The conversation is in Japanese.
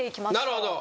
なるほど。